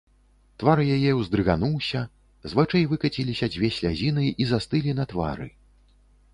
Твар яе ўздрыгануўся, з вачэй выкаціліся дзве слязіны і застылі на твары.